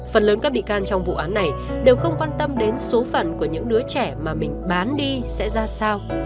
phần lớn các bị can trong vụ án này đều không quan tâm đến số phận của những đứa trẻ mà mình bán đi sẽ ra sao